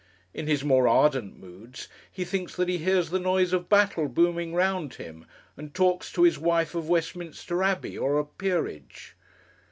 In his more ardent moods he thinks that he hears the noise of battle booming round him, and talks to his wife of Westminster Abbey or a peerage.